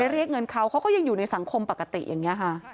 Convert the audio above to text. เรียกเงินเขาเขาก็ยังอยู่ในสังคมปกติอย่างนี้ค่ะ